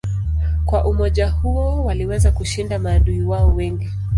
Kwa umoja huo waliweza kushinda maadui wao wengi.